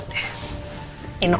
aku mau tidur